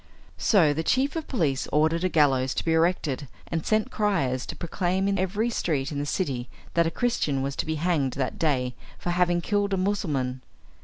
So the chief of police ordered a gallows to be erected, and sent criers to proclaim in every street in the city that a Christian was to be hanged that day for having killed a Mussulman.